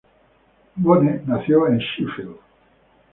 Bone nació en Sheffield.